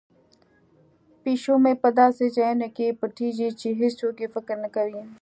پیشو مې په داسې ځایونو کې پټیږي چې هیڅوک یې فکر نه کوي.